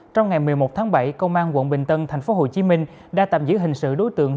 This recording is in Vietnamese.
trong ngày một mươi một tháng bảy công an quận bình tân tp hcm đã tạm giữ hình sự đối tượng